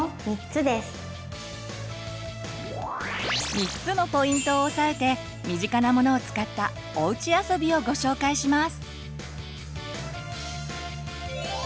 ３つのポイントを押さえて身近なものを使ったおうちあそびをご紹介します。